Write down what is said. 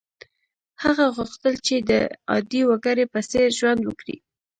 هغه غوښتل چې د عادي وګړي په څېر ژوند وکړي.